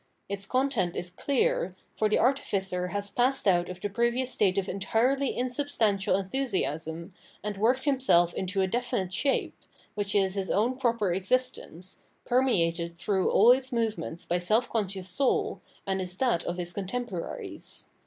Its content is clear, for the artificer has passed out of the previous state of entirely insubstantial enthusiasm, and worked himself into a definite shape, which is his own proper existence, per meated through all its movements by self conscious soul, and is that of his contemporaries.